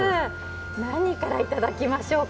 何からいただきましょうか。